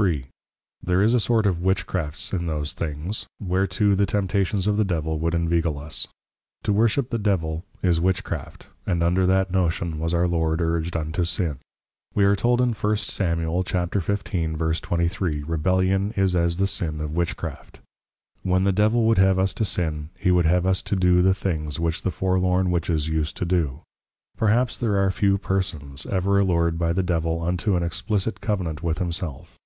III. There is a sort of Witchcrafts in those things, whereto the Temptations of the Devil would inveigle us. To worship the Devil is Witchcraft, and under that notion was our Lord urged unto sin. We are told in 1 Sam. 15.23. Rebellion is as the sin of Witchcraft: When the Devil would have us to sin, he would have us to do the things which the forlorn Witches use to do. Perhaps there are few persons, ever allured by the Devil unto an Explicit Covenant with himself.